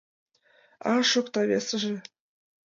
А-а-а! шокта весыже.